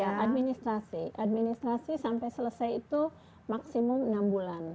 ya administrasi administrasi sampai selesai itu maksimum enam bulan